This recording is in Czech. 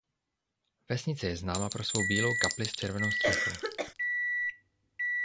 Vesnice je známa pro svou bílou kapli s červenou střechou.